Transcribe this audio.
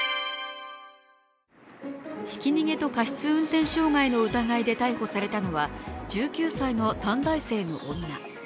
ひき逃げと過失運転傷害の疑いで逮捕されたのは、１９歳の短大生の女。